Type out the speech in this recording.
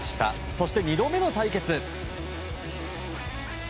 そして、２度目の対決。